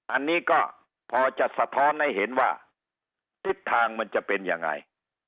อันนี้ก็พอจะสะท้อนให้เห็นว่าทิศทางมันจะเป็นยังไง